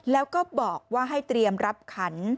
แล้วก็บอกว่าให้เตรียมรับขัน